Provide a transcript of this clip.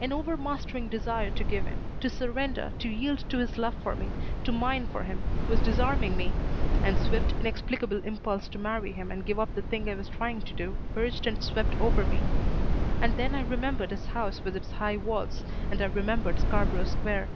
An overmastering desire to give in; to surrender, to yield to his love for me, to mine for him, was disarming me, and swift, inexplicable impulse to marry him and give up the thing I was trying to do urged and swept over me. And then I remembered his house with its high walls. And I remembered Scarborough Square.